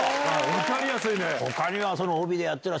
分かりやすいね。